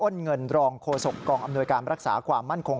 ้นเงินรองโฆษกองอำนวยการรักษาความมั่นคง